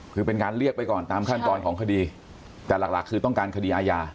คือเป็นการเรียกไปก่อนตามขั้นตอนของคดีแต่หลักหลักคือต้องการคดีอาญา